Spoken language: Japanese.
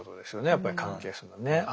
やっぱり関係するのはね。